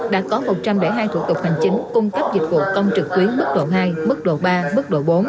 đã có một trăm linh hai thủ tục hành chính cung cấp dịch vụ công trực tuyến mức độ hai mức độ ba mức độ bốn